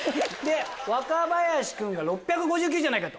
若林君が６５９じゃないかと。